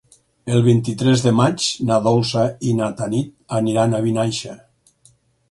El vint-i-tres de maig na Dolça i na Tanit aniran a Vinaixa.